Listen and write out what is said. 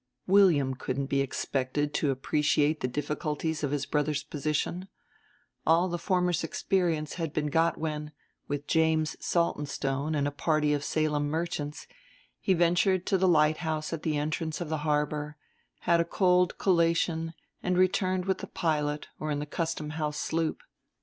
William couldn't be expected to appreciate the difficulties of his brother's position: all the former's experience had been got when, with James Saltonstone and a party of Salem merchants, he ventured to the lighthouse at the entrance of the harbor, had a cold collation, and returned with the pilot or in the Custom House sloop.